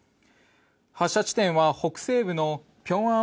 発射地点は、北西部の平安